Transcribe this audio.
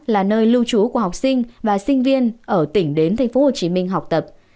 là nơi lưu trú của học sinh và sinh viên ở tỉnh đến tp hcm học tập